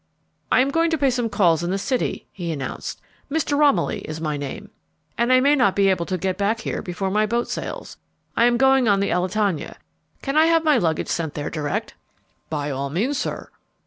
"I am going to pay some calls in the city," he announced "Mr. Romilly is my name and I may not be able to get back here before my boat sails. I am going on the Elletania. Can I have my luggage sent there direct?" "By all means, sir."